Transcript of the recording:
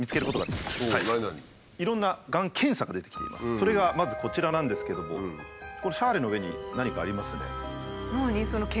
それがまずこちらなんですけどもこのシャーレの上に何かありますね。